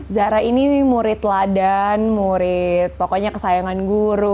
zara ini murid ladan murid pokoknya kesayangan guru